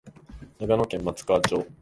長野県松川町